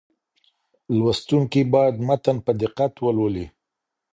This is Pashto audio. لوستونکي باید متن په دقت ولولي.